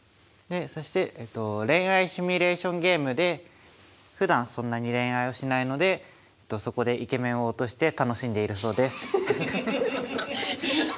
でそして恋愛シミュレーションゲームでふだんそんなに恋愛をしないのでそこでイケメンを落として楽しんでいるそうです。